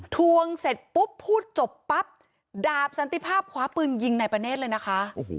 ทวงเสร็จปุ๊บพูดจบปั๊บดาบสันติภาพคว้าปืนยิงนายประเนธเลยนะคะ